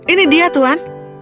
ini dia tuan